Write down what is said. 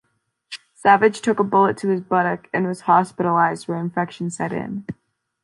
Savage took a bullet to his buttock and was hospitalized where infection set in.